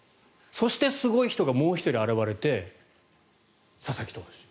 そして、すごい人がもう１人現れて佐々木投手。